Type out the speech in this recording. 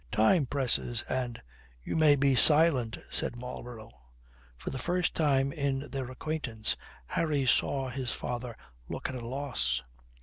Time presses and " "You may be silent," said Marlborough. For the first time in their acquaintance Harry saw his father look at a loss.